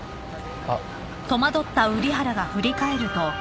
あっ。